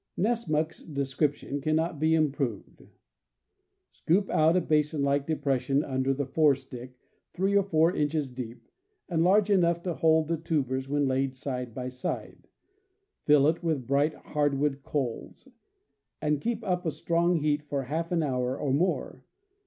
— Nessmuk's description cannot be improved: "Scoop out a basin like depression under the fore stick, three or four inches deep, and large enough to hold the tubers when laid side by side; fill it with bright hardwood coals, and keep up a strong heat] for half an hour or more.